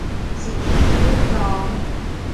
สิทธิเรียกร้อง